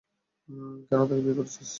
কেন তাকে বিয়ে করছিস?